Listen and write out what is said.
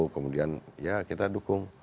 kemudian ya kita dukung